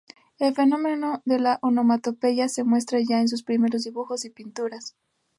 El fenómeno de la onomatopeya se muestra ya en sus primeros dibujos y pinturas.